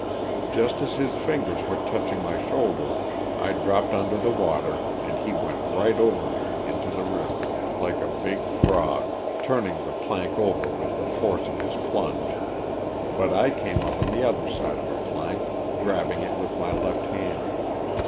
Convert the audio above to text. Just as his fingers were touching my shoul der I dropped under the water and he went right over me into the river, like a big frog, turning the plank over with the force of his plunge, but I came up on the other side of the plank, grabbing it with my left hand.